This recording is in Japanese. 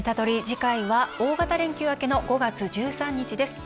次回は大型連休明けの５月１３日です。